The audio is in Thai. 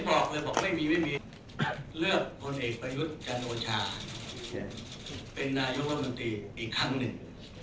บอกว่าไม่มีเลือกคนเอกประยุทธ์จันทร์โชฮาเป็นนายโมนมันตรีอีกครั้งหนึ่ง